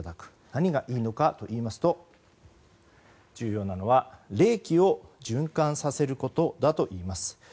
何がいいのかといいますと重要なのは冷気を循環させることだといいます。